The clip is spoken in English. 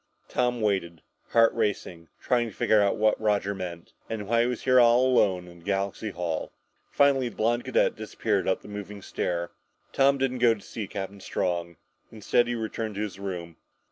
Tom waited, heart racing, trying to figure out what Roger meant, and why he was here alone in Galaxy Hall. Finally the blond cadet disappeared up the moving stair. Tom didn't go to see Captain Strong. Instead, he returned to his room.